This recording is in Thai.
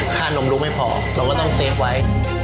ค่านมรุ้งไม่พอแล้วเราก็ต้องเซฟไว้